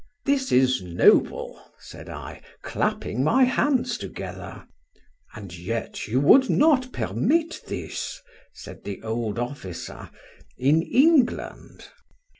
—This is noble! said I, clapping my hands together.—And yet you would not permit this, said the old officer, in England.